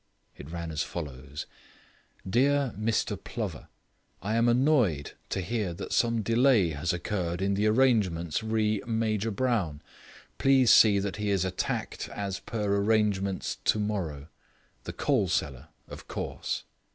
It ran as follows: Dear Mr Plover, I am annoyed to hear that some delay has occurred in the arrangements re Major Brown. Please see that he is attacked as per arrangement tomorrow. The coal cellar, of course.